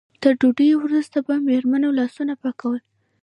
تر ډوډۍ وروسته به مېرمنو لاسونه پاکول.